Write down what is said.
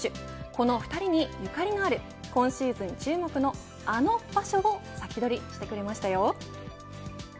この２人にゆかりのある今シーズン注目のあの場所をサキドリしてくれましたよ。